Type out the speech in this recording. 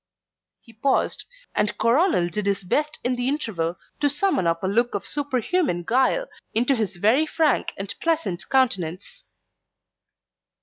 He paused, and Coronel did his best in the interval to summon up a look of superhuman guile into his very frank and pleasant countenance.